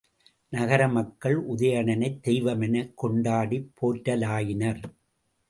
நகர மக்கள் உதயன்னனைத் தெய்வமெனக் கொண்டாடிப் போற்றலாயினர்.